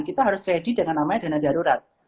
kita harus siapkan dengan nama dana darurat